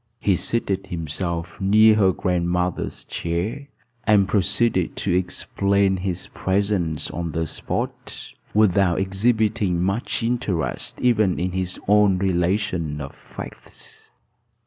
He seated himself near her grandmother's chair, and proceeded to explain his presence on the spot, without exhibiting much interest even in his own relation of facts.